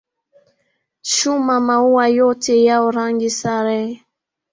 Chuma maua yote yao rangi sare.